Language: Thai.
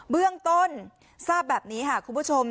เบื้องต้นทราบแบบนี้ค่ะคุณผู้ชม